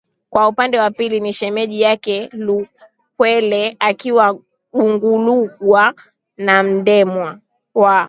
kwa upande wa pili ni shemeji yake yeye Lukwele akiwa Gungulugwa na Mndewa wa